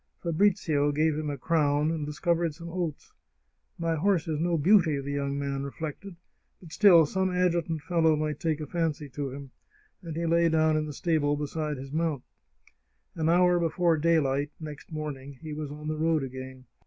Fabrizio gave him a crown, and discovered some oats. " My horse is no beauty," the young man reflected, " but still some adjutant fellow might take a fancy to him," and he lay down in the stable beside his mount. An hour before daylight next morning he was on the road agfain.